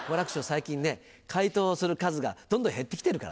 最近ね回答する数がどんどん減ってきてるからね。